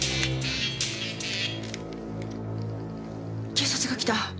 警察が来た。